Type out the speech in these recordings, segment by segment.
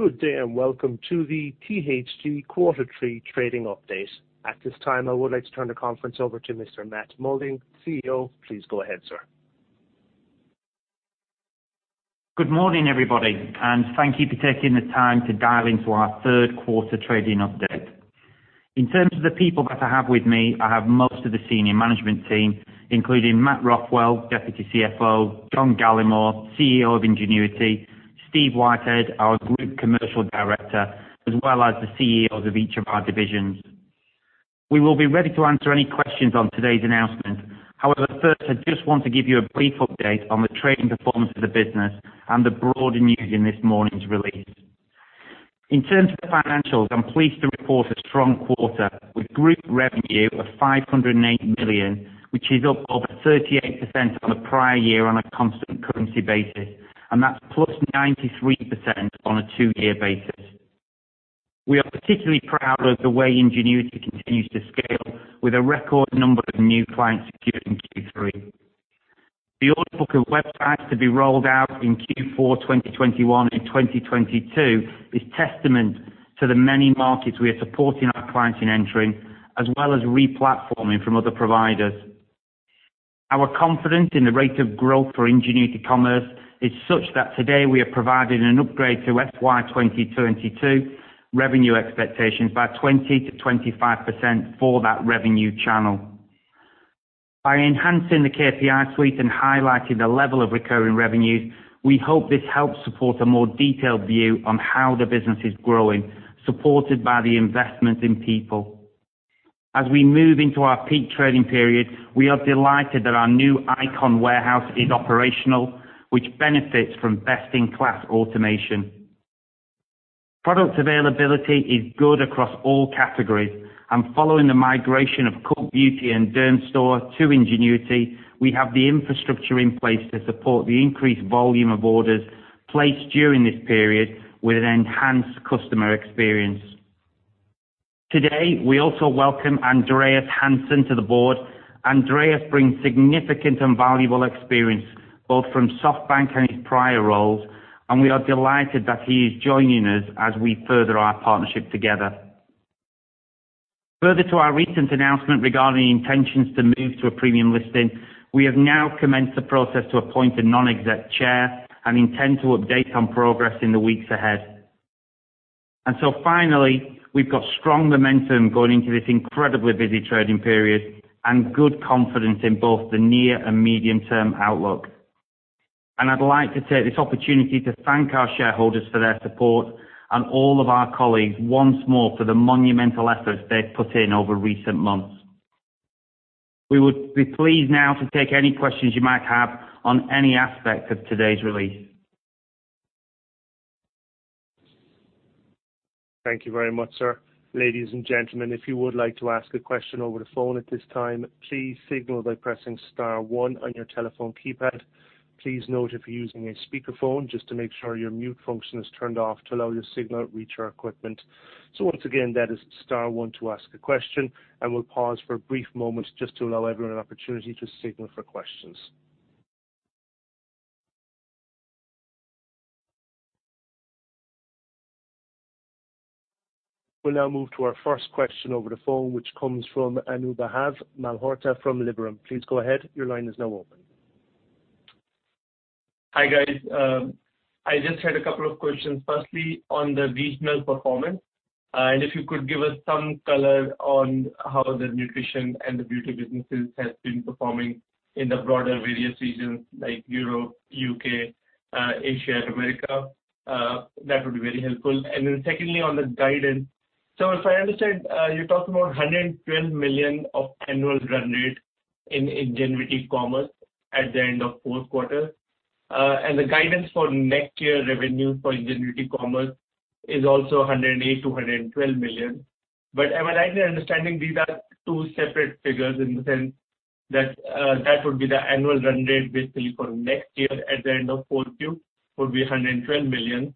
Good day, and welcome to the THG Q3 Trading Update. At this time, I would like to turn the conference over to Mr. Matt Moulding, CEO. Please go ahead, sir. Good morning, everybody, and thank you for taking the time to dial into our Q3 trading update. In terms of the people that I have with me, I have most of the senior management team, including Matt Rothwell, Deputy CFO, John Gallemore, CEO of Ingenuity, Steve Whitehead, our Group Commercial Director, as well as the CEOs of each of our divisions. We will be ready to answer any questions on today's announcement. However, first, I just want to give you a brief update on the trading performance of the business and the broader news in this morning's release. In terms of financials, I'm pleased to report a strong quarter with group revenue of 508 million, which is up over 38% on the prior year on a constant currency basis, and that's plus 93% on a two-year basis. We are particularly proud of the way Ingenuity continues to scale with a record number of new clients secured in Q3. The order book of websites to be rolled out in Q4, 2021 and 2022 is testament to the many markets we are supporting our clients in entering, as well as replatforming from other providers. Our confidence in the rate of growth for Ingenuity Commerce is such that today we are providing an upgrade to FY 2022 revenue expectations by 20%-25% for that revenue channel. By enhancing the KPI suite and highlighting the level of recurring revenues, we hope this helps support a more detailed view on how the business is growing, supported by the investments in people. As we move into our peak trading period, we are delighted that our new ICON warehouse is operational, which benefits from best-in-class automation. Product availability is good across all categories, and following the migration of Cult Beauty and Dermstore to Ingenuity, we have the infrastructure in place to support the increased volume of orders placed during this period with an enhanced customer experience. Today, we also welcome Andreas Hansson to the board. Andreas brings significant and valuable experience, both from SoftBank and his prior roles, and we are delighted that he is joining us as we further our partnership together. Further to our recent announcement regarding intentions to move to a premium listing, we have now commenced the process to appoint a non-exec chair and intend to update on progress in the weeks ahead. Finally, we've got strong momentum going into this incredibly busy trading period and good confidence in both the near and medium-term outlook. I'd like to take this opportunity to thank our shareholders for their support and all of our colleagues once more for the monumental efforts they've put in over recent months. We would be pleased now to take any questions you might have on any aspect of today's release. Thank you very much, sir. Ladies and gentlemen, if you would like to ask a question over the phone at this time, please signal by pressing star one on your telephone keypad. Please note if you're using a speakerphone, just to make sure your mute function is turned off to allow your signal to reach our equipment. Once again, that is star one to ask a question, and we'll pause for a brief moment just to allow everyone an opportunity to signal for questions. We'll now move to our first question over the phone, which comes from Anubhav Malhotra from Liberum. Please go ahead. Your line is now open. Hi, guys. I just had a couple of questions. Firstly, on the regional performance, and if you could give us some color on how the nutrition and the beauty businesses has been performing in the broader various regions like Europe, U.K., Asia, and America, that would be very helpful. Secondly, on the guidance. If I understand, you talked about 112 million of annual run rate in Ingenuity Commerce at the end of Q4. The guidance for next year revenue for Ingenuity Commerce is also 108 million-112 million. Am I right in understanding these are two separate figures in the sense that that would be the annual run rate basically for next year at the end of Q4, would be 112 million,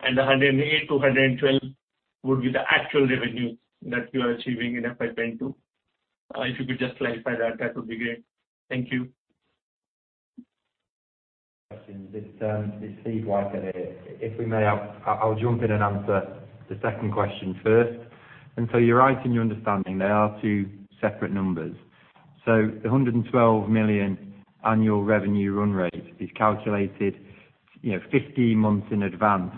and the 108 million-112 million would be the actual revenue that you are achieving in FY 2022. If you could just clarify that would be great. Thank you. It's Steve Whitehead here. If we may, I'll jump in and answer the second question first. You're right in your understanding. They are two separate numbers. The 112 million annual revenue run rate is calculated, you know, 15 months in advance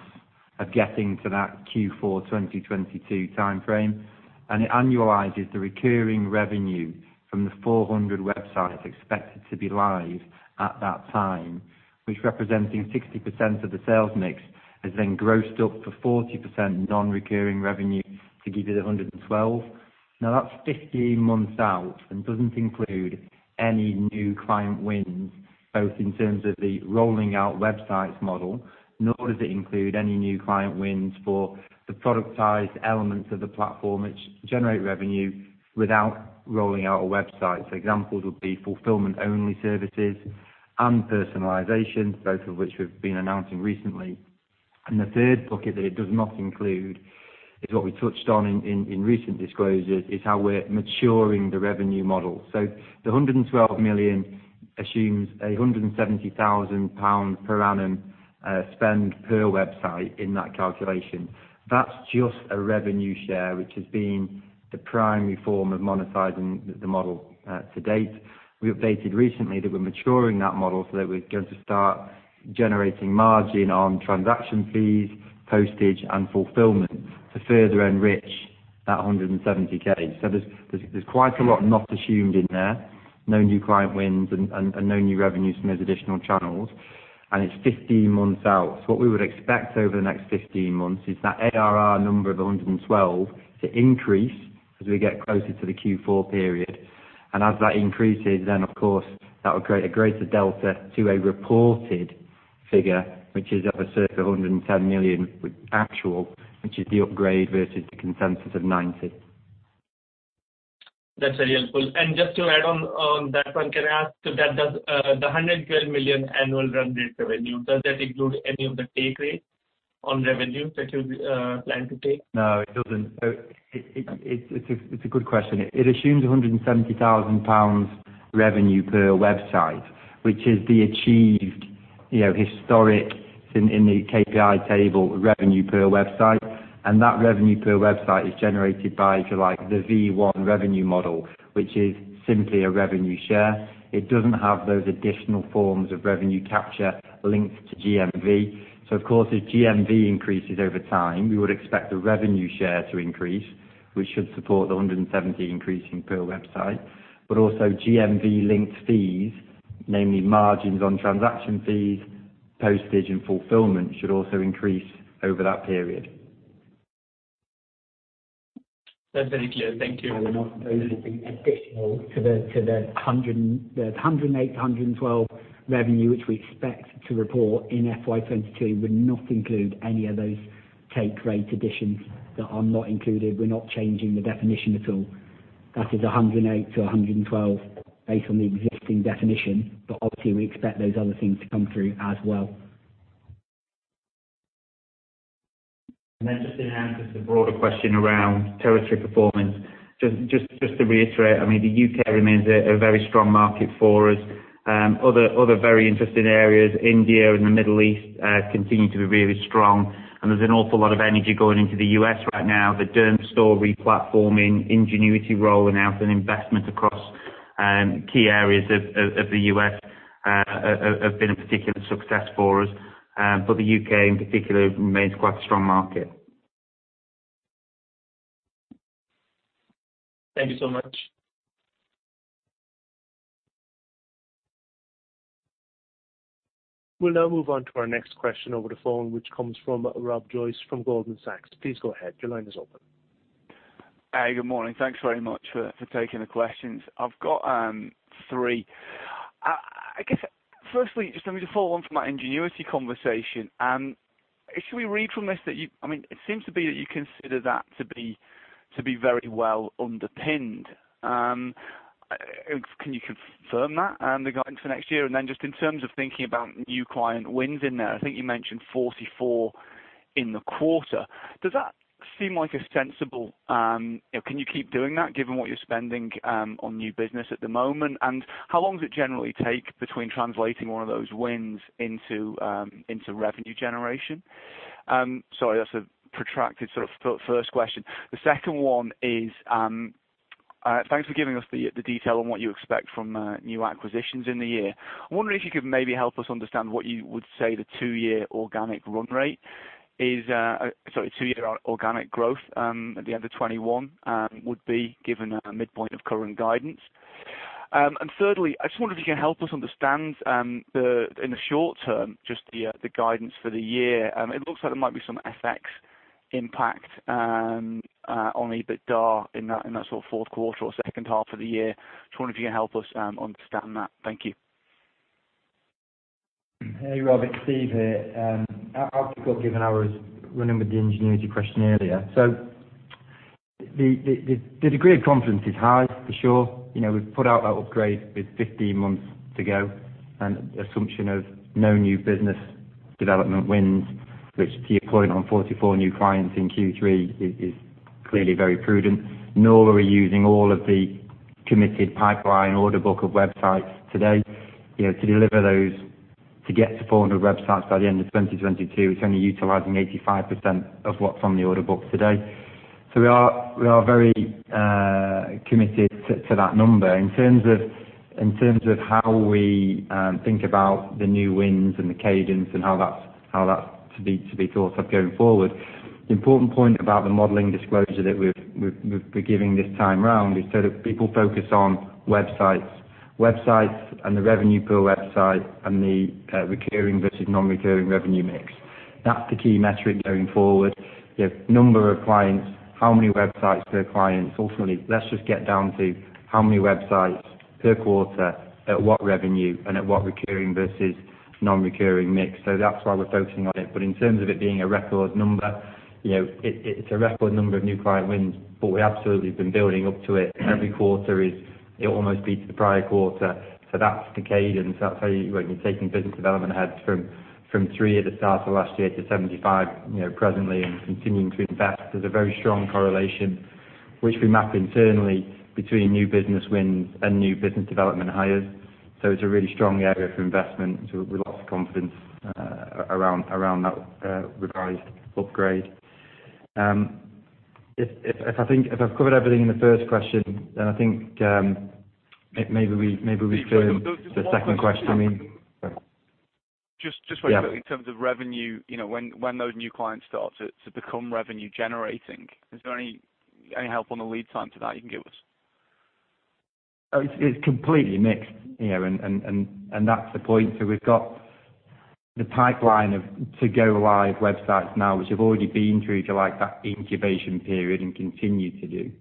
of getting to that Q4 2022 timeframe. It annualizes the recurring revenue from the 400 websites expected to be live at that time, which representing 60% of the sales mix, is then grossed up for 40% non-recurring revenue to give you the 112. Now that's 15 months out and doesn't include any new client wins, both in terms of the rolling out websites model, nor does it include any new client wins for the productized elements of the platform which generate revenue without rolling out a website. Examples would be fulfillment-only services and personalization, both of which we've been announcing recently. The third bucket that it does not include is what we touched on in recent disclosures, is how we're maturing the revenue model. The 112 million assumes a 170,000 pounds per annum spend per website in that calculation. That's just a revenue share, which has been the primary form of monetizing the model to date. We updated recently that we're maturing that model so that we're going to start generating margin on transaction fees, postage, and fulfillment to further enrich that 170K. There's quite a lot not assumed in there. No new client wins and no new revenues from those additional channels, and it's 15 months out. What we would expect over the next 15 months is that ARR number of 112 to increase as we get closer to the Q4 period. As that increases, then of course that would create a greater delta to a reported figure, which is of a circa 110 million with actual, which is the upgrade versus the consensus of 90. That's very helpful. Just to add on that one, can I ask, so that does the 112 million annual run rate revenue, does that include any of the take rate on revenues that you plan to take? No, it doesn't. It's a good question. It assumes 170,000 pounds revenue per website, which is the achieved, you know, historic in the KPI table revenue per website. That revenue per website is generated by, if you like, the V one revenue model, which is simply a revenue share. It doesn't have those additional forms of revenue capture linked to GMV. Of course, if GMV increases over time, we would expect the revenue share to increase, which should support the 170 increasing per website. Also GMV linked fees, namely margins on transaction fees, postage, and fulfillment should also increase over that period. That's very clear. Thank you. Those will be additional to the 108-112 revenue, which we expect to report in FY 2022, would not include any of those take rate additions that are not included. We're not changing the definition at all. That is 108-112 based on the existing definition, but obviously we expect those other things to come through as well. Just to answer the broader question around territory performance. Just to reiterate, I mean the U.K. remains a very strong market for us. Other very interesting areas, India and the Middle East, continue to be really strong. There's an awful lot of energy going into the U.S. right now. The Dermstore re-platforming, Ingenuity rolling out, and investment across key areas of the U.S. have been a particular success for us. The U.K. in particular remains quite a strong market. Thank you so much. We'll now move on to our next question over the phone, which comes from Rob Joyce from Goldman Sachs. Please go ahead, your line is open. Hey, good morning. Thanks very much for taking the questions. I've got three. I guess firstly, just let me just follow on from that Ingenuity conversation. Should we read from this that you... I mean, it seems to be that you consider that to be very well underpinned. Can you confirm that regarding to next year? And then just in terms of thinking about new client wins in there, I think you mentioned 44 in the quarter. Does that seem like a sensible you know, can you keep doing that given what you're spending on new business at the moment? And how long does it generally take between translating one of those wins into revenue generation? Sorry, that's a protracted sort of first question. The second one is, thanks for giving us the detail on what you expect from new acquisitions in the year. I'm wondering if you could maybe help us understand what you would say the two-year organic growth at the end of 2021 would be given a midpoint of current guidance. Thirdly, I just wonder if you can help us understand in the short term, just the guidance for the year. It looks like there might be some FX impact on EBITDA in that sort of Q4 or second half of the year. Just wondering if you can help us understand that. Thank you. Hey, Rob, it's Steve here. I'll pick up, given I was running with the Ingenuity question earlier. The degree of confidence is high, for sure. You know, we've put out that upgrade with 15 months to go, and assumption of no new business development wins, which to your point on 44 new clients in Q3 is clearly very prudent. Nor are we using all of the committed pipeline order book of websites today, you know, to deliver those, to get to 400 websites by the end of 2022, it's only utilizing 85% of what's on the order book today. We are very committed to that number. In terms of how we think about the new wins and the cadence and how that's to be thought of going forward, the important point about the modeling disclosure that we've been giving this time round is so that people focus on websites. Websites and the revenue per website and the recurring versus non-recurring revenue mix. That's the key metric going forward. You know, number of clients, how many websites per client. Ultimately, let's just get down to how many websites per quarter at what revenue and at what recurring versus non-recurring mix. That's why we're focusing on it. In terms of it being a record number, you know, it's a record number of new client wins, but we absolutely have been building up to it. Every quarter, you know, almost beats the prior quarter. That's the cadence. That's how you, when you're taking business development heads from three at the start of last year to 75, you know, presently and continuing to invest. There's a very strong correlation which we map internally between new business wins and new business development hires. It's a really strong area for investment. We lost confidence around that revised upgrade. If I've covered everything in the first question, then I think maybe we go to the second question. Just quickly. Yeah. In terms of revenue, you know, when those new clients start to become revenue generating, is there any help on the lead time to that you can give us? It's completely mixed, you know, and that's the point. We've got the pipeline of to go live websites now, which have already been through to, like, that incubation period and continue to do.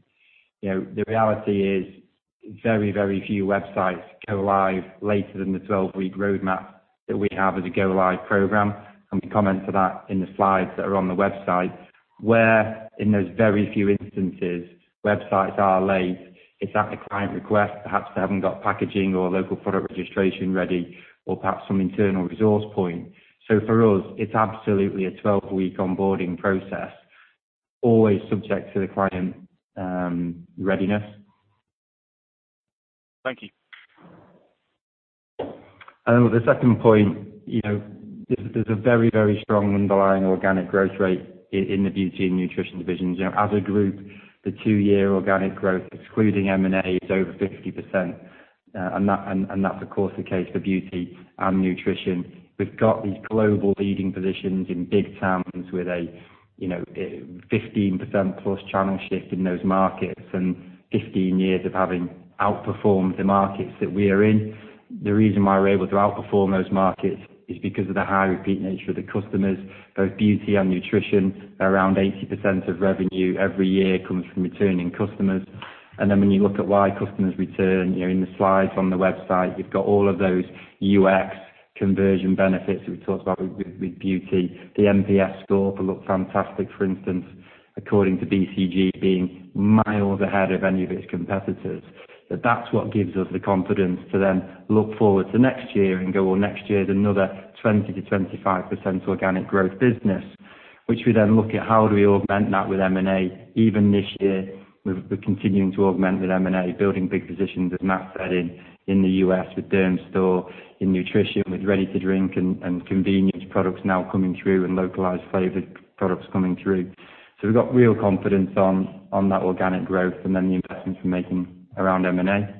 You know, the reality is very few websites go live later than the 12-week roadmap that we have as a go live program. We comment to that in the slides that are on the website. Where in those very few instances, websites are late, it's at the client request. Perhaps they haven't got packaging or local product registration ready or perhaps some internal resource point. For us, it's absolutely a 12-week onboarding process, always subject to the client readiness. Thank you. The second point, you know, there's a very, very strong underlying organic growth rate in the Beauty and Nutrition divisions. You know as a group, the two-year organic growth, excluding M&A, is over 50%. That's of course the case for Beauty and Nutrition. We've got these global leading positions in big towns with a, you know, 15% plus channel shift in those markets and 15 years of having outperformed the markets that we are in. The reason why we're able to outperform those markets is because of the high repeat nature of the customers. Both Beauty and Nutrition, around 80% of revenue every year comes from returning customers. When you look at why customers return, you know, in the slides on the website, you've got all of those UX conversion benefits that we talked about with beauty. The NPS score for Lookfantastic, for instance, according to BCG, being miles ahead of any of its competitors. That’s what gives us the confidence to then look forward to next year and go, “Well, next year is another 20%-25% organic growth business,” which we then look at how do we augment that with M&A. Even this year, we're continuing to augment with M&A, building big positions, as Matt said, in the U.S. with Dermstore, in nutrition, with ready-to-drink and convenience products now coming through and localized flavored products coming through. We've got real confidence on that organic growth and then the investments we're making around M&A.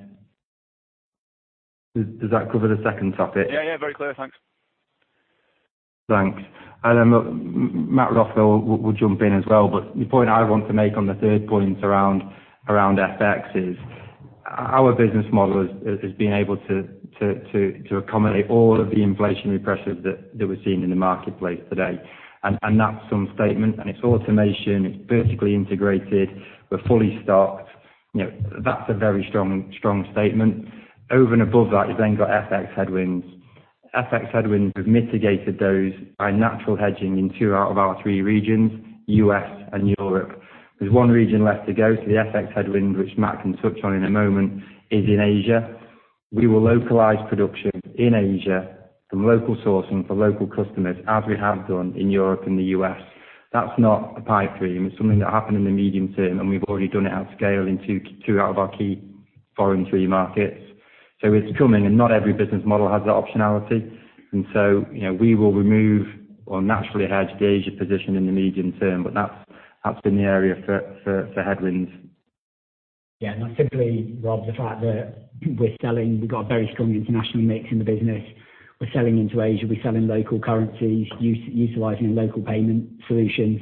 Does that cover the second topic? Yeah, yeah, very clear. Thanks. Thanks. Then Matt will also jump in as well. The point I want to make on the third point around FX is our business model has been able to accommodate all of the inflationary pressures that we're seeing in the marketplace today. That's some statement and it's automation, it's vertically integrated, we're fully stocked. You know, that's a very strong statement. Over and above that, you've then got FX headwinds. FX headwinds, we've mitigated those by natural hedging in two out of our three regions, U.S. and Europe. There's one region left to go, so the FX headwinds, which Matt can touch on in a moment, is in Asia. We will localize production in Asia from local sourcing for local customers as we have done in Europe and the U.S. That's not a pipe dream. It's something that happened in the medium term, and we've already done it at scale in two out of our key foreign three markets. It's coming and not every business model has that optionality. You know, we will remove or naturally hedge the Asia position in the medium term, but that's been the area for headwinds. Yeah, that's simply, Rob, the fact that we're selling. We've got a very strong international mix in the business. We're selling into Asia, we're selling in local currencies, using local payment solutions.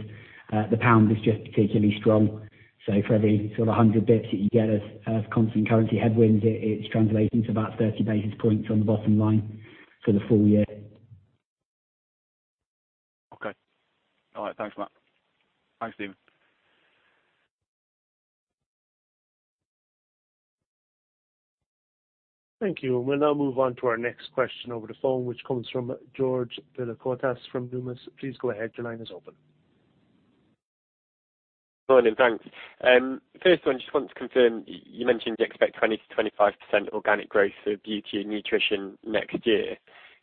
The pound is just particularly strong. For every sort of 100 basis points that you get of constant currency headwinds, it's translating to about 30 basis points on the bottom line for the full year. Okay. All right. Thanks, Matt. Thanks, Steven. Thank you. We'll now move on to our next question over the phone, which comes from George Vilacostas from Belmus. Please go ahead. Your line is open. Morning, thanks. First one, just want to confirm, you mentioned you expect 20%-25% organic growth for beauty and nutrition next year.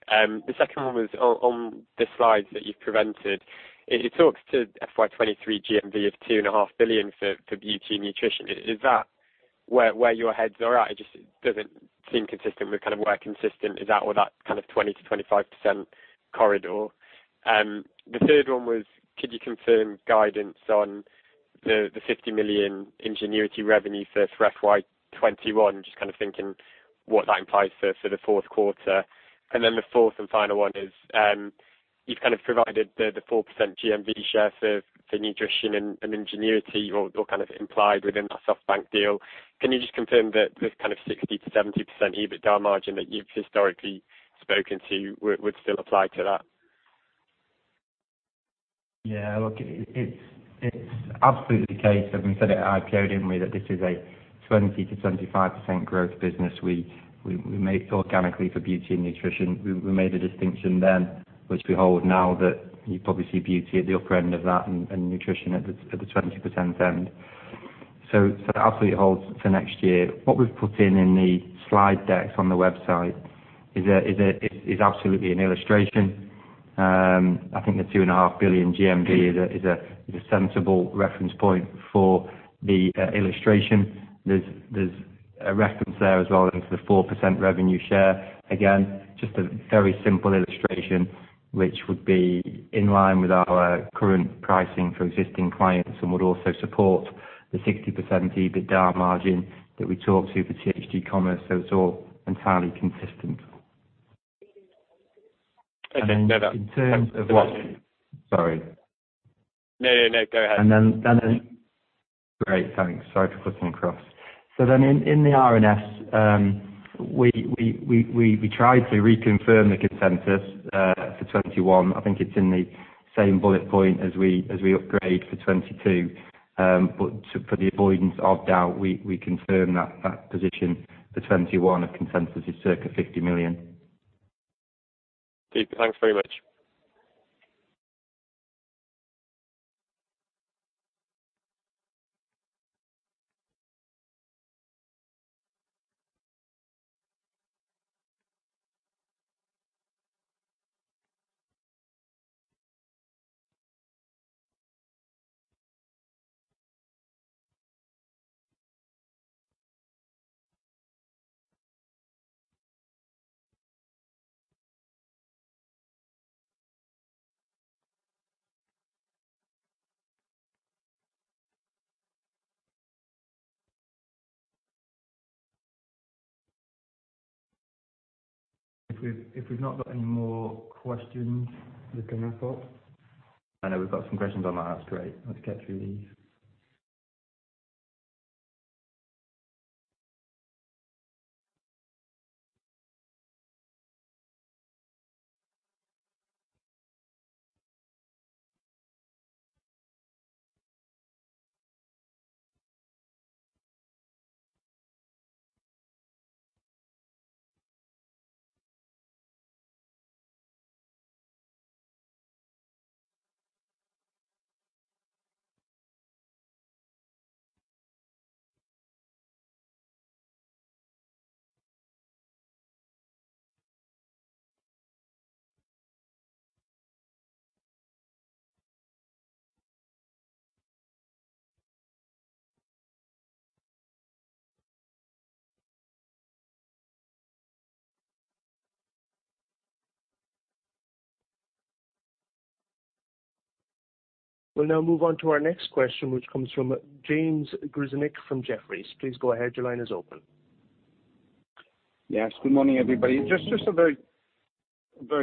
The second one was on the slides that you've presented, it talks to FY 2023 GMV of 2.5 billion for beauty and nutrition. Is that where your heads are at? It just doesn't seem consistent with kind of where consensus is at or that kind of 20%-25% corridor. The third one was could you confirm guidance on the 50 million Ingenuity revenue for FY 2021? Just kind of thinking what that implies for the Q4. The fourth and final one is, you've kind of provided the 4% GMV share for nutrition and Ingenuity or kind of implied within that SoftBank deal. Can you just confirm that this kind of 60%-70% EBITDA margin that you've historically spoken to would still apply to that? Yeah, look, it's absolutely the case, as we said at IPO, didn't we, that this is a 20%-25% growth business we make organically for beauty and nutrition. We made the distinction then, which we hold now, that you probably see beauty at the upper end of that and nutrition at the 20% end. That absolutely holds for next year. What we've put in the slide decks on the website is absolutely an illustration. I think the 2.5 billion GMV is a sensible reference point for the illustration. There's a reference there as well into the 4% revenue share. Again, just a very simple illustration which would be in line with our current pricing for existing clients and would also support the 60% EBITDA margin that we talked to for THG Commerce. It's all entirely consistent. Okay. No. Sorry. No, no. Go ahead. Great, thanks. Sorry for cutting across. In the RNS, we tried to reconfirm the consensus for 2021. I think it's in the same bullet point as we upgrade for 2022. But for the avoidance of doubt, we confirm that position for 2021 of consensus is circa 50 million. Deep, thanks very much. If we've not got any more questions looking up, I know we've got some questions on the line. That's great. Let's get through these. We'll now move on to our next question, which comes from James Grzinic from Jefferies. Please go ahead. Your line is open. Yes. Good morning, everybody. Just a very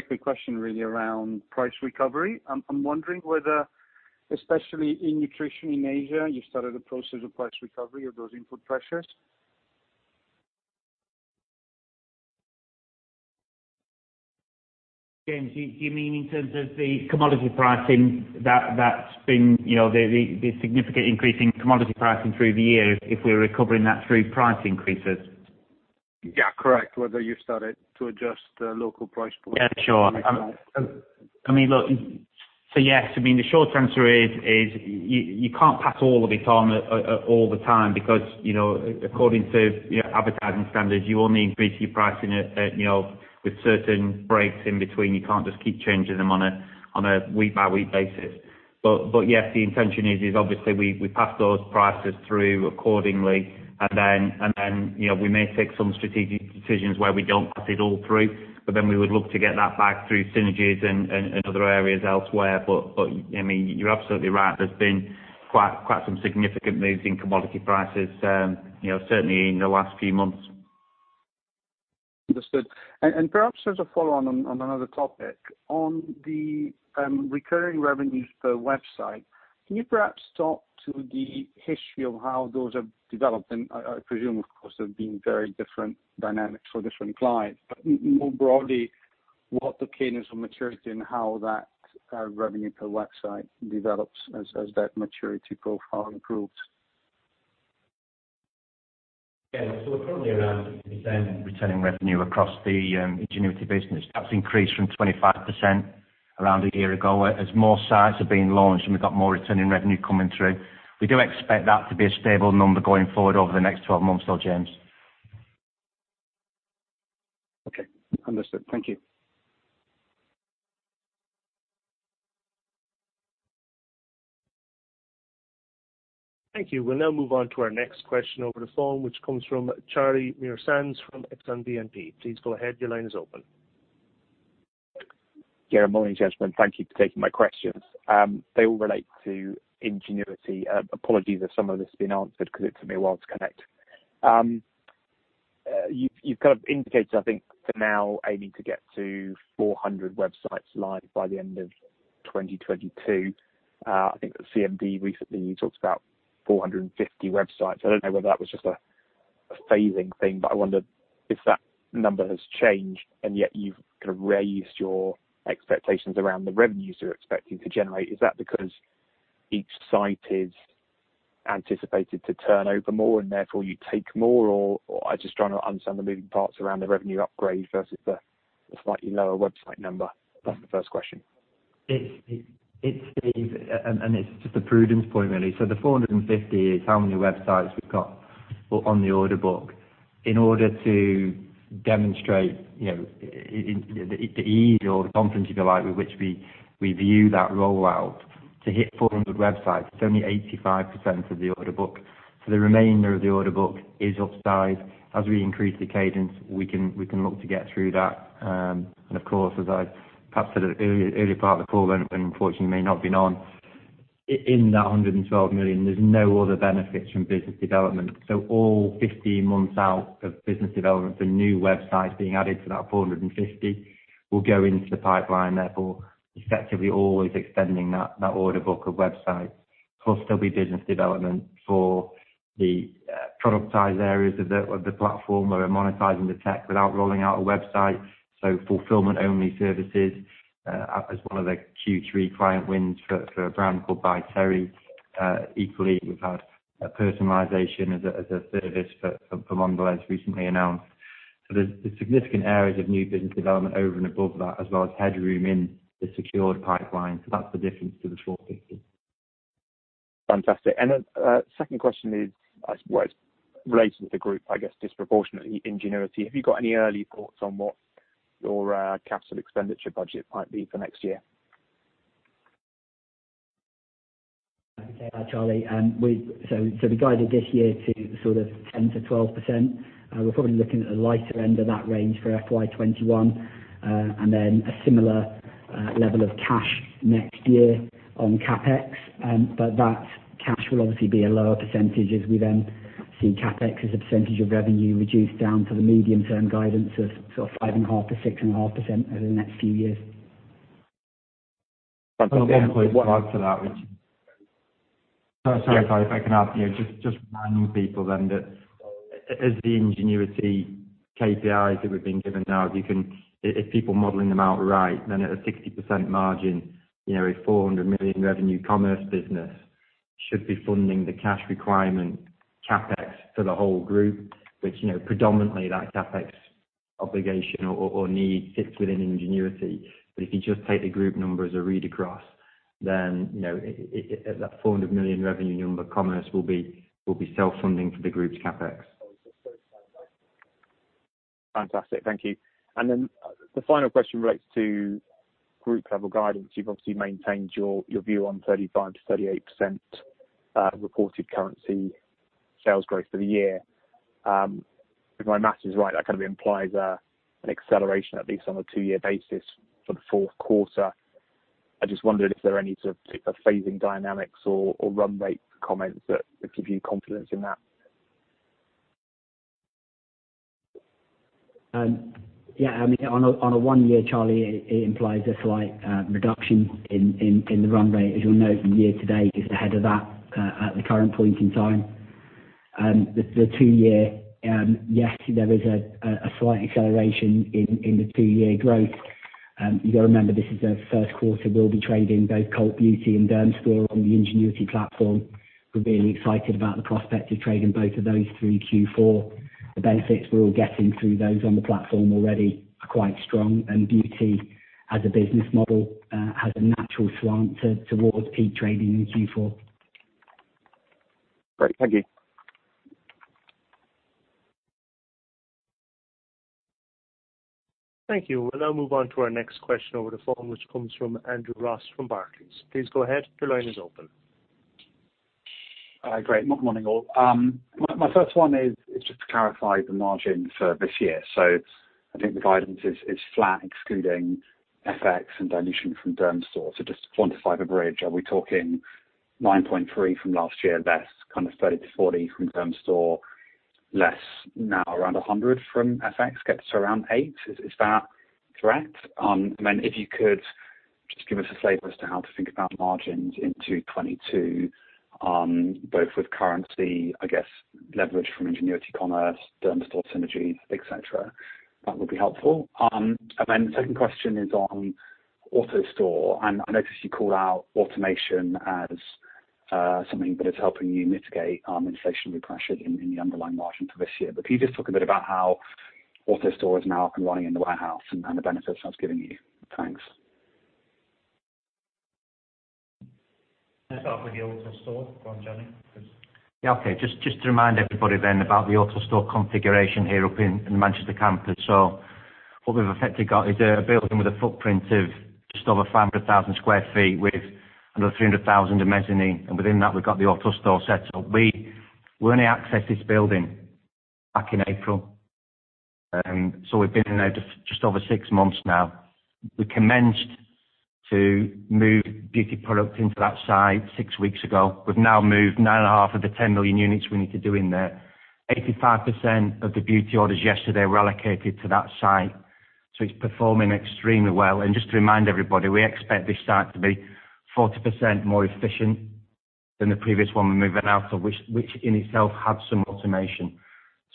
quick question really around price recovery. I'm wondering whether, especially in nutrition in Asia, you started a process of price recovery of those input pressures. James, you mean in terms of the commodity pricing that's been, you know, the significant increase in commodity pricing through the year, if we're recovering that through price increases? Yeah, correct. Whether you started to adjust the local price points. Yeah, sure. I mean, look. Yes, I mean, the short answer is you can't pass all of it on all the time because, you know, according to, you know, advertising standards, you only increase your pricing at you know, with certain breaks in between. You can't just keep changing them on a week by week basis. Yes, the intention is obviously we pass those prices through accordingly and then, you know, we may take some strategic decisions where we don't pass it all through, but then we would look to get that back through synergies and other areas elsewhere. I mean, you're absolutely right. There's been quite some significant moves in commodity prices, you know, certainly in the last few months. Understood. Perhaps as a follow-on on another topic. On the recurring revenues per website, can you perhaps talk to the history of how those have developed? I presume, of course, there's been very different dynamics for different clients. More broadly, what the cadence of maturity and how that revenue per website develops as that maturity profile improves. We're currently around 10% recurring revenue across the Ingenuity business. That's increased from 25% around a year ago. As more sites are being launched and we've got more recurring revenue coming through, we do expect that to be a stable number going forward over the next 12 months, James. Okay, understood. Thank you. Thank you. We'll now move on to our next question over the phone, which comes from Charlie Muir-Sands from Exane BNP. Please go ahead. Your line is open. Yeah, morning, gentlemen. Thank you for taking my questions. They all relate to Ingenuity. Apologies if some of this has been answered 'cause it took me a while to connect. You've kind of indicated, I think, for now aiming to get to 400 websites live by the end of 2022. I think at CMD recently you talked about 450 websites. I don't know whether that was just a phasing thing, but I wondered if that number has changed and yet you've kind of raised your expectations around the revenues you're expecting to generate. Is that because each site is anticipated to turn over more and therefore you take more? Or I'm just trying to understand the moving parts around the revenue upgrade versus the slightly lower website number. That's the first question. It's just a prudence point really. The 450 is how many websites we've got on the order book. In order to demonstrate, you know, in the ease or the confidence, if you like, with which we view that rollout to hit 400 websites, it's only 85% of the order book. The remainder of the order book is upside. As we increase the cadence, we can look to get through that. Of course, as I perhaps said at an earlier part of the call when unfortunately you may not have been on, in that 112 million, there's no other benefits from business development. All 15 months out of business development for new websites being added to that 450 will go into the pipeline, therefore effectively always extending that order book of websites. Plus there'll be business development for the productized areas of the platform where we're monetizing the tech without rolling out a website, so fulfillment-only services as one of the Q3 client wins for a brand called By Terry. Equally, we've had a personalization as a service for Longleat recently announced. There's significant areas of new business development over and above that, as well as headroom in the secured pipeline. That's the difference to the 450. Fantastic. Second question is, I suppose related to the group, I guess disproportionately in Ingenuity. Have you got any early thoughts on what your capital expenditure budget might be for next year? Okay. Hi, Charlie. We guided this year to sort of 10%-12% for FY 2021. Then a similar level of cash next year on CapEx. That cash will obviously be a lower percentage as we then see CapEx as a percentage of revenue reduced down to the medium-term guidance of sort of 5.5%-6.5% over the next few years. Fantastic. One point to add to that, which. Sorry, Charlie, if I can add here. Just reminding people then that as the Ingenuity KPIs that we've been given now, if people are modeling them out right, then at a 60% margin, you know, a 400 million revenue commerce business should be funding the cash requirement CapEx for the whole group, which, you know, predominantly that CapEx obligation or needs sits within Ingenuity. If you just take the group number as a read across, then you know, it, at that 400 million revenue number, commerce will be self-funding for the group's CapEx. Fantastic. Thank you. The final question relates to group level guidance. You've obviously maintained your view on 35%-38% reported currency sales growth for the year. If my math is right, that kind of implies an acceleration at least on a two-year basis for the Q4. I just wondered if there are any sort of phasing dynamics or run rate comments that would give you confidence in that. Yeah, I mean, on a one-year, Charlie, it implies a slight reduction in the run rate. As you'll know, from year to date is ahead of that at the current point in time. The two-year, yes, there is a slight acceleration in the two-year growth. You gotta remember, this is the Q1 we'll be trading both Cult Beauty and Dermstore on the Ingenuity platform. We're really excited about the prospect of trading both of those through Q4. The benefits we're all getting through those on the platform already are quite strong, and Beauty as a business model has a natural slant towards peak trading in Q4. Great. Thank you. Thank you. We'll now move on to our next question over the phone, which comes from Andrew Ross from Barclays. Please go ahead. Your line is open. Great. Morning all. My first one is just to clarify the margin for this year. I think the guidance is flat excluding FX and dilution from Dermstore. Just to quantify the bridge, are we talking 9.3% from last year? That's kind of 30-40 from Dermstore. Less now around 100 from FX gets us around 8%. Is that correct? If you could just give us a flavor as to how to think about margins into 2022, both with currency, I guess leverage from Ingenuity Commerce, Dermstore synergies, et cetera. That would be helpful. The second question is on AutoStore, and I noticed you called out automation as something that is helping you mitigate inflationary pressures in the underlying margin for this year. Can you just talk a bit about how AutoStore is now up and running in the warehouse and the benefits that's giving you? Thanks. Can I start with the AutoStore, go on John, please. Yeah, okay. Just to remind everybody then about the AutoStore configuration here up in the Manchester campus. What we've effectively got is a building with a footprint of just over 500,000 sq ft with another 300,000 of mezzanine. Within that we've got the AutoStore set up. We only accessed this building back in April. We've been in there just over six months now. We commenced to move beauty product into that site six weeks ago. We've now moved 9.5 of the 10 million units we need to do in there. 85% of the beauty orders yesterday were allocated to that site. It's performing extremely well. Just to remind everybody, we expect this site to be 40% more efficient than the previous one we're moving out of which in itself had some automation.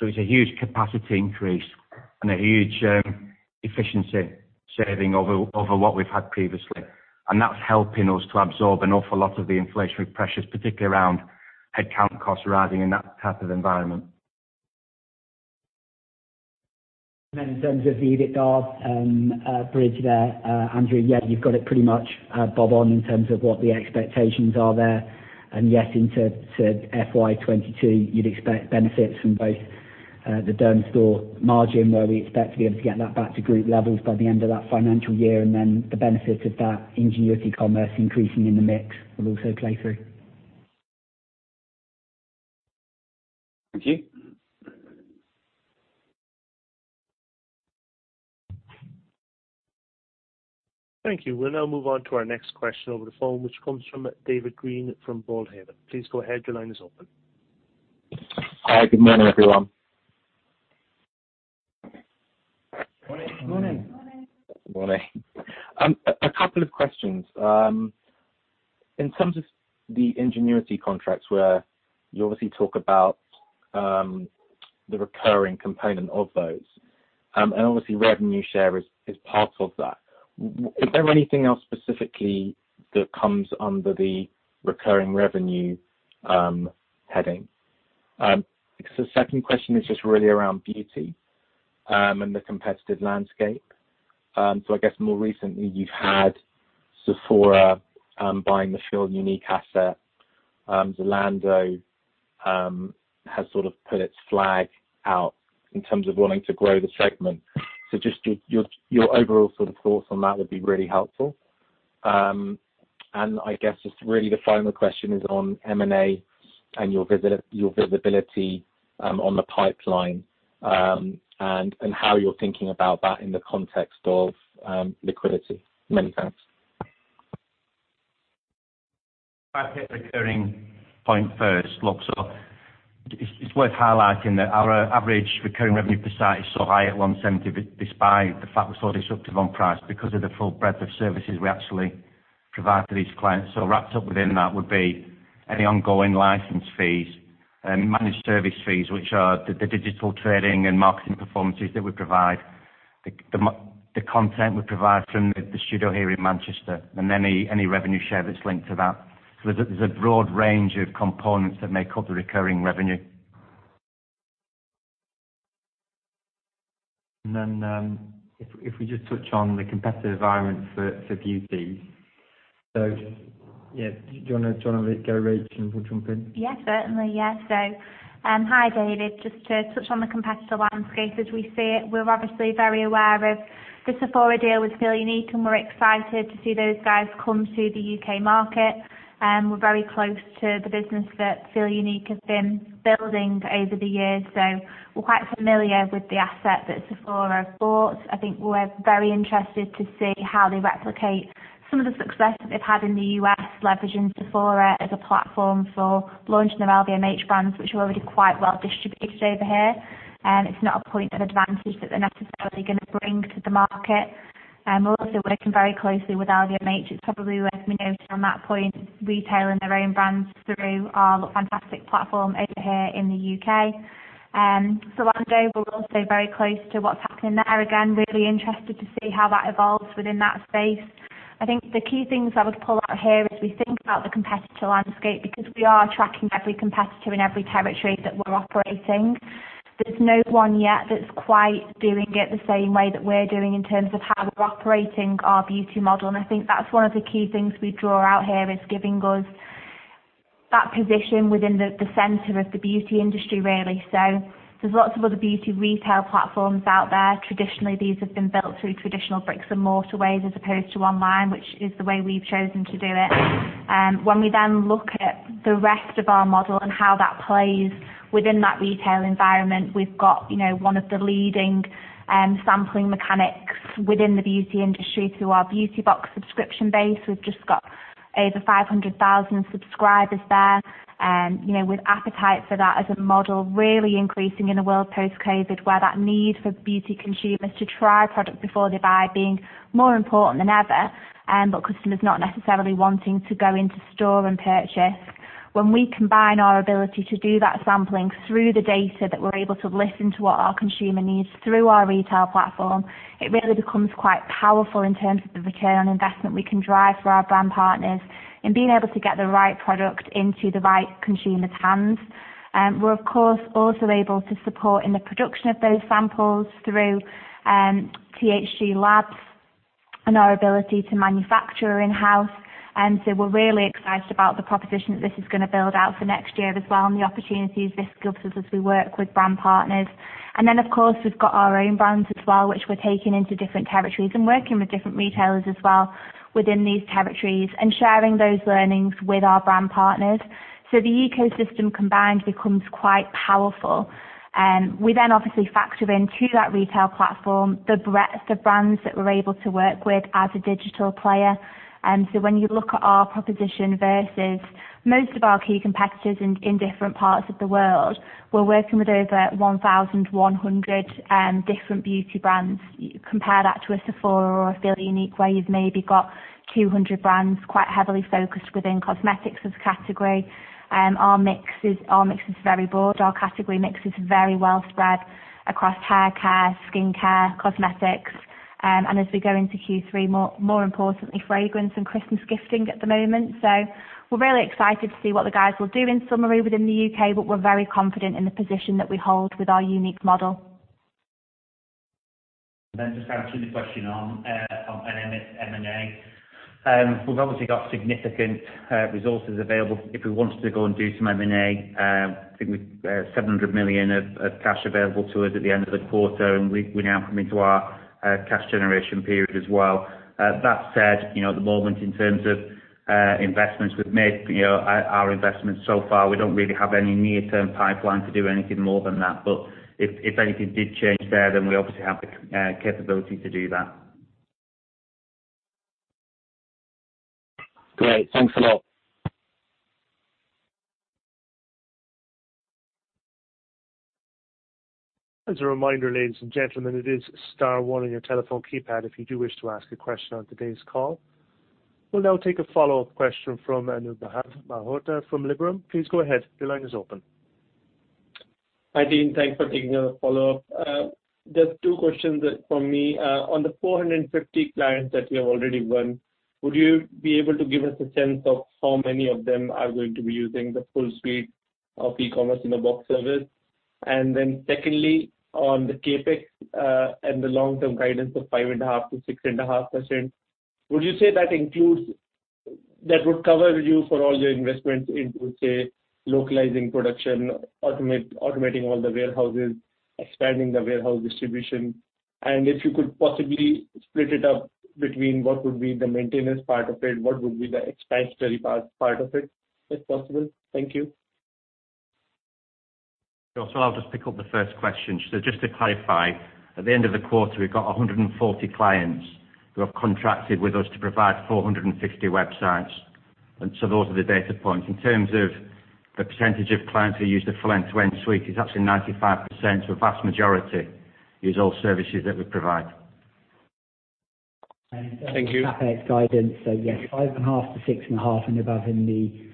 It's a huge capacity increase and a huge efficiency saving over what we've had previously. That's helping us to absorb an awful lot of the inflationary pressures, particularly around headcount costs rising in that type of environment. In terms of the EBITDA bridge there, Andrew, yeah, you've got it pretty much bob on in terms of what the expectations are there. Yes, into FY 2022, you'd expect benefits from both the Dermstore margin, where we expect to be able to get that back to group levels by the end of that financial year, and then the benefits of that Ingenuity Commerce increasing in the mix will also play through. Thank you. Thank you. We'll now move on to our next question over the phone, which comes from David Green from BOLDHAVEN. Please go ahead. Your line is open. Hi, good morning, everyone. Morning. Morning. A couple of questions. In terms of the Ingenuity contracts, where you obviously talk about the recurring component of those, and obviously revenue share is part of that. Is there anything else specifically that comes under the recurring revenue heading? I guess the second question is just really around beauty and the competitive landscape. I guess more recently you've had Sephora buying the Feelunique asset. Zalando has sort of put its flag out in terms of wanting to grow the segment. Just your overall sort of thoughts on that would be really helpful. I guess just really the final question is on M&A and your visibility on the pipeline, and how you're thinking about that in the context of liquidity. Many thanks. I'll take the recurring point first. Look, it's worth highlighting that our average recurring revenue per site is so high at 170, despite the fact we're so disruptive on price because of the full breadth of services we actually provide to these clients. Wrapped up within that would be any ongoing license fees and managed service fees, which are the digital trading and marketing performances that we provide, the content we provide from the studio here in Manchester and any revenue share that's linked to that. There's a broad range of components that make up the recurring revenue. Then, if we just touch on the competitive environment for beauty. Yeah, do you wanna go, Rach, and we'll jump in? Yeah, certainly, yeah. Hi, David. Just to touch on the competitive landscape as we see it, we're obviously very aware of the Sephora deal with Feelunique, and we're excited to see those guys come to the U.K. market. We're very close to the business that Feelunique have been building over the years, so we're quite familiar with the asset that Sephora have bought. I think we're very interested to see how they replicate some of the success that they've had in the U.S., leveraging Sephora as a platform for launching their LVMH brands, which are already quite well distributed over here. It's not a point of advantage that they're necessarily gonna bring to the market. We're also working very closely with LVMH. It's probably worth me noting on that point, retailing their own brands through our fantastic platform over here in the U.K. Zalando, we're also very close to what's happening there. Again, really interested to see how that evolves within that space. I think the key things I would pull out here as we think about the competitive landscape, because we are tracking every competitor in every territory that we're operating. There's no one yet that's quite doing it the same way that we're doing in terms of how we're operating our beauty model, and I think that's one of the key things we draw out here is giving us that position within the center of the beauty industry really. There's lots of other beauty retail platforms out there. Traditionally, these have been built through traditional bricks-and-mortar ways as opposed to online, which is the way we've chosen to do it. When we then look at the rest of our model and how that plays within that retail environment, we've got, you know, one of the leading sampling mechanics within the beauty industry through our beauty box subscription base. We've just got over 500,000 subscribers there. You know, with appetite for that as a model really increasing in a world post-COVID, where that need for beauty consumers to try a product before they buy being more important than ever, but customers not necessarily wanting to go into store and purchase. When we combine our ability to do that sampling through the data that we're able to listen to what our consumer needs through our retail platform, it really becomes quite powerful in terms of the return on investment we can drive for our brand partners in being able to get the right product into the right consumer's hands. We're of course also able to support in the production of those samples through THG Labs and our ability to manufacture in-house. We're really excited about the proposition that this is gonna build out for next year as well and the opportunities this gives us as we work with brand partners. Of course, we've got our own brands as well, which we're taking into different territories and working with different retailers as well within these territories and sharing those learnings with our brand partners. The ecosystem combined becomes quite powerful. We then obviously factor into that retail platform, the breadth of brands that we're able to work with as a digital player. When you look at our proposition versus most of our key competitors in different parts of the world, we're working with over 1,100 different beauty brands. Compare that to a Sephora or a Feelunique, where you've maybe got 200 brands quite heavily focused within cosmetics as a category. Our mix is very broad. Our category mix is very well spread across haircare, skincare, cosmetics. As we go into Q3, more importantly, fragrance and Christmas gifting at the moment. We're really excited to see what the guys will do in summer within the U.K., but we're very confident in the position that we hold with our unique model. Just answering the question on M&A. We've obviously got significant resources available if we wanted to go and do some M&A. I think we've 700 million of cash available to us at the end of the quarter, and we're now coming to our cash generation period as well. That said, you know at the moment in terms of investments we've made, you know, our investments so far, we don't really have any near-term pipeline to do anything more than that. If anything did change there, then we obviously have the capability to do that. Great. Thanks a lot. As a reminder, ladies and gentlemen, it is star one on your telephone keypad, if you do wish to ask a question on today's call. We'll now take a follow-up question from Anubhav Malhotra from Liberum. Please go ahead. The line is open. Hi, Team. Thanks for taking another follow-up. Just two questions from me. On the 450 clients that you have already won, would you be able to give us a sense of how many of them are going to be using the full suite of e-commerce in-a-box service? And then secondly, on the CapEx and the long-term guidance of 5.5%-6.5%, would you say that includes that would cover you for all your investments in, say, localizing production, automating all the warehouses, expanding the warehouse distribution? And if you could possibly split it up between what would be the maintenance part of it, what would be the expansionary part of it, if possible? Thank you. I'll just pick up the first question. Just to clarify, at the end of the quarter, we've got 140 clients who have contracted with us to provide 450 websites. Those are the data points. In terms of the percentage of clients who use the full end-to-end suite, it's actually 95%. A vast majority use all services that we provide. Thank you. CapEx guidance. Yes, 5.5%-6.5% and above in the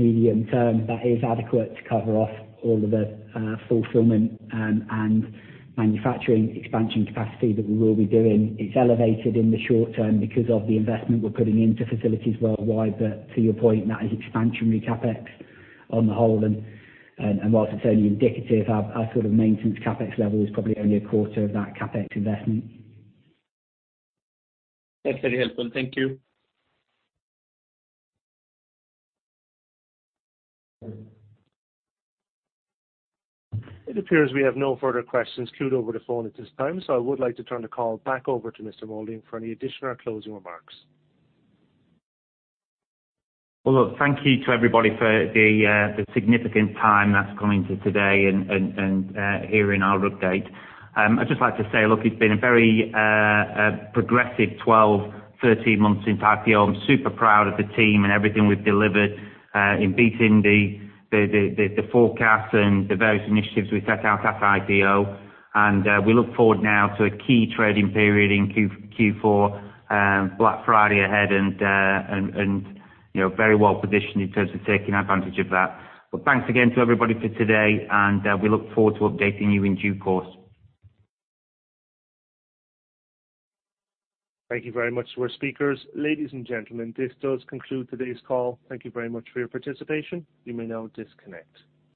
medium term, that is adequate to cover off all of the fulfillment and manufacturing expansion capacity that we will be doing. It's elevated in the short term because of the investment we're putting into facilities worldwide. To your point, that is expansionary CapEx on the whole. While it's only indicative, our sort of maintenance CapEx level is probably only a quarter of that CapEx investment. That's very helpful. Thank you. It appears we have no further questions queued over the phone at this time, so I would like to turn the call back over to Mr. Moulding for any additional or closing remarks. Well, look, thank you to everybody for the significant time that's gone into today and hearing our update. I'd just like to say, look, it's been a very progressive 12, 13 months since IPO. I'm super proud of the team and everything we've delivered in beating the forecast and the various initiatives we set out at IPO. We look forward now to a key trading period in Q4, Black Friday ahead and, you know, very well positioned in terms of taking advantage of that. Thanks again to everybody for today and we look forward to updating you in due course. Thank you very much to our speakers. Ladies and gentlemen, this does conclude today's call. Thank you very much for your participation. You may now disconnect.